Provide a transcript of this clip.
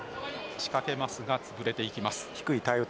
仕掛けますがつぶれていきます。